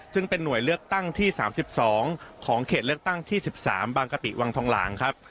ซึ่งเป็นหน่วยเลือกตั้งที่๓๒ของเขตเลือกตั้งที่๑๓บางกะปิวังทองหลางครับ